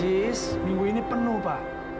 iis sudah berdosa